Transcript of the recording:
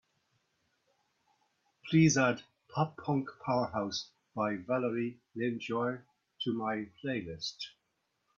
Please add Pop Punk Powerhouses by Valeri Leontjev to my play list